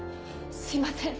すいません。